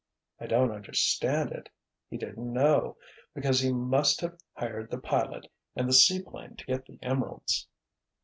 I don't understand it—he did know, because he must have hired the pilot and the seaplane to get the emeralds."